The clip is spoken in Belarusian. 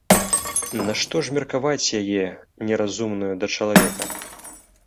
Нашто ж меркаваць яе, неразумную, да чалавека?